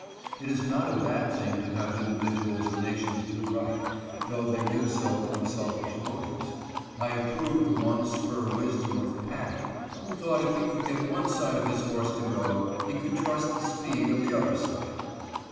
It is not a bad thing to have individuals or nations do right, though they do so from selfish motives. I approved the one spur wisdom of " Paddy," who thought if he could get one side of his horse to go, he could trust the speed of the other side.